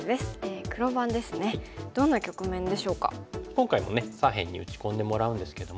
今回もね左辺に打ち込んでもらうんですけども。